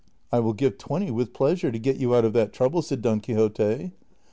" I will give twenty with pleasure to get you out of that trouble," said Don Quixote.